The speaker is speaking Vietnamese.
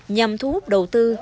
nhằm thu hút đầu tư